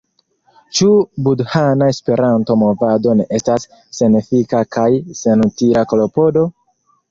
Ĉu budhana Esperanto-movado ne estas senefika kaj senutila klopodo?